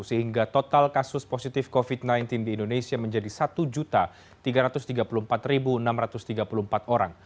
sehingga total kasus positif covid sembilan belas di indonesia menjadi satu tiga ratus tiga puluh empat enam ratus tiga puluh empat orang